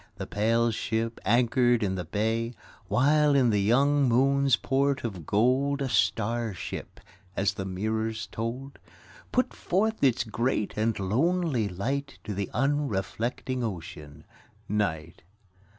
The pale ship anchored in the bay, While in the young moon's port of gold A star ship — as the mirrors told — Put forth its great and lonely light To the unreflecting Ocean, Night.